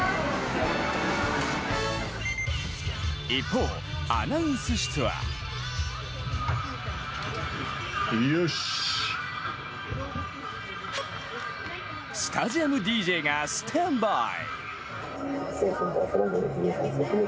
一方、アナウンス室はスタジアムＤＪがスタンバイ。